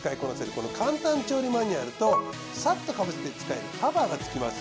この簡単調理マニュアルとサッとかぶせて使えるカバーが付きます。